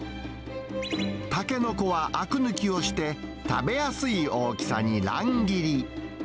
タケノコはあく抜きをして、食べやすい大きさに乱切り。